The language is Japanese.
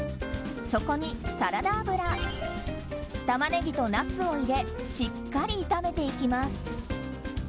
そこに、サラダ油タマネギとナスを入れしっかり炒めていきます。